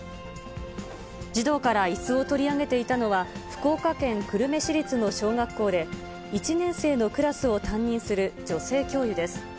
児童からいすを取り上げていたのは、福岡県久留米市立の小学校で、１年生のクラスを担任する女性教諭です。